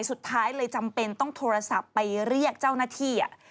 สุดท้ายเลยจำเป็นต้องโทรศัพท์ไปเรียกเจ้าหน้าที่